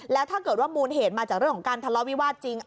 แล้วถ้าเกิดว่ามูลเหตุมาจากเรื่องของการทะเลาะวิวาสจริง